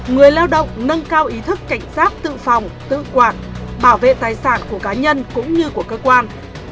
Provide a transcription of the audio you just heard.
người lao động nâng cao ý thức cảnh giác tự phòng tự quản bảo vệ tài sản của cá nhân cũng như của cơ quan